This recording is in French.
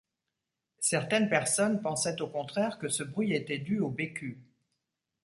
Certaines personnes pensaient au contraire que ce bruit était dû au Bécut.